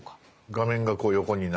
画面がこう横になる。